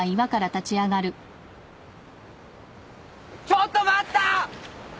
ちょっと待った！